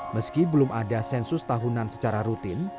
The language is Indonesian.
meski belum ada sensus tahunan secara rutin